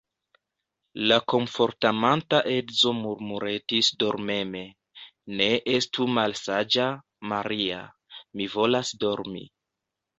La komfortamanta edzo murmuretis dormeme: Ne estu malsaĝa, Maria; mi volas dormi.